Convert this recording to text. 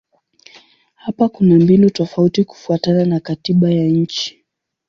Hapa kuna mbinu tofauti kufuatana na katiba ya nchi.